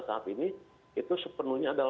saat ini itu sepenuhnya